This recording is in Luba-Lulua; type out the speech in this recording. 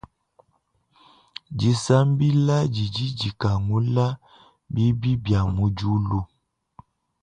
Disambila didi dikangula bibi bia mudiulu.